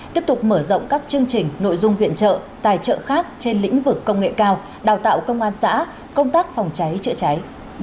tiếp tục mở rộng các chương trình nội dung viện trợ tài trợ khác trên lĩnh vực công nghệ cao đào tạo công an xã công tác phòng cháy chữa cháy